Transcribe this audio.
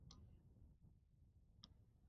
Safning oʻrtaroqlarida edim.